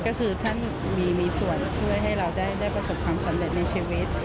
ก็คือท่านมีส่วนช่วยให้เราได้ประสบความสำเร็จในชีวิต